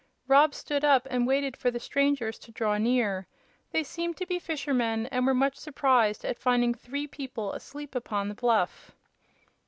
Rob stood up and waited for the strangers to draw near. They seemed to be fishermen, and were much surprised at finding three people asleep upon the bluff.